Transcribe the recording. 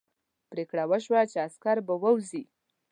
پرېکړه وشوه چې عسکر به ووځي.